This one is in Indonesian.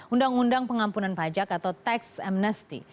undang undang pengampunan pajak atau tax amnesty